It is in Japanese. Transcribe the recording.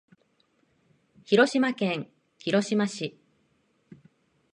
広島県広島市